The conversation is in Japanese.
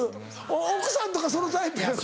奥さんとかそのタイプやろな。